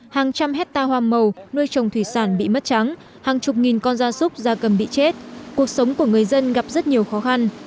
hàng trăm hecta hoa màu nuôi trồng thủy sản bị mất trắng hàng chục nghìn con da súc da cầm bị chết cuộc sống của người dân gặp rất nhiều khó khăn